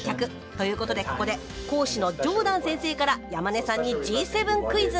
ということでここで講師のジョーダン先生から山根さんにＧ７クイズ！